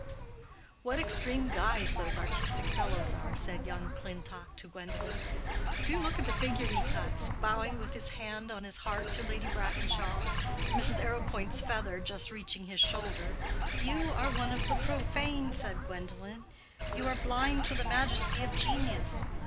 "What extreme guys those artistic fellows usually are!" said young Clintock to Gwendolen. "Do look at the figure he cuts, bowing with his hand on his heart to Lady Brackenshaw—and Mrs. Arrowpoint's feather just reaching his shoulder." "You are one of the profane," said Gwendolen. "You are blind to the majesty of genius.